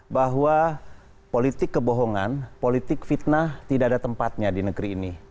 bahwa politik kebohongan politik fitnah tidak ada tempatnya di negeri ini